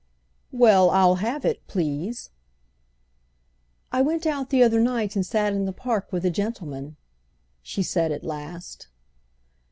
"Well, I'll have it, please." "I went out the other night and sat in the Park with a gentleman," she said at last.